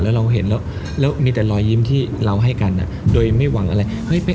แล้วมีแต่หลอยยิ้มที่เราให้กันโดยไม่หวังอะไร